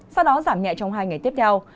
sau đó giảm nhẹ trong hai ngày tiếp theo